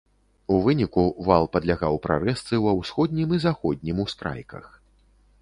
У выніку вал падлягаў прарэзцы ва ўсходнім і заходнім ускрайках.